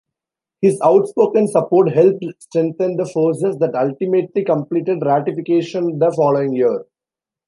His outspoken support helped strengthen the forces that ultimately completed ratification the following year.